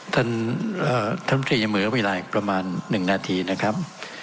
ท่านท่านพระเจมส์อย่างเหมือนกับเวลาประมาณหนึ่งนาทีนะครับ